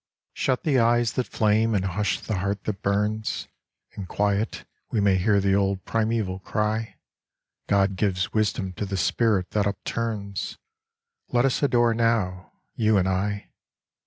Shut the eyes that flame and hush the heart that burns In quiet we may hear the old primeval cry : God gives wisdom to the spirit that upturns : Let us adore now, you and I.